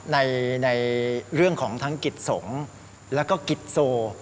ในเรื่องของทั้งกิจสงฆ์แล้วก็กิจโซ